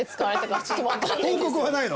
報告はないの？